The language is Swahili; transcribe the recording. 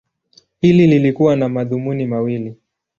Hili lilikuwa na madhumuni mawili.